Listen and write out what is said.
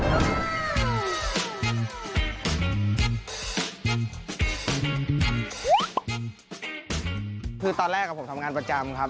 คือตอนแรกผมทำงานประจำครับ